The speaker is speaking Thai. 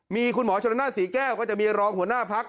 มีคุณหมอชนนาศรีแก้วก็จะมีรองหัวหน้าพัก